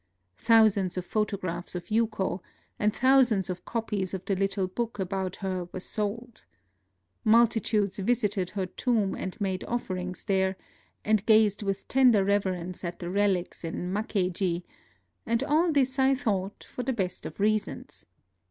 Thousands of photographs of Yuko and thousands of copies of the little book about her were sold. Multitudes visited her tomb and made offerings there, and gazed with ten der reverence at the relics in Makkeiji ; and all this, I thought, for the best of reasons.